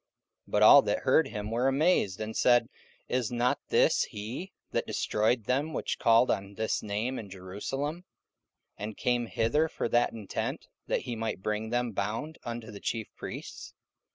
44:009:021 But all that heard him were amazed, and said; Is not this he that destroyed them which called on this name in Jerusalem, and came hither for that intent, that he might bring them bound unto the chief priests?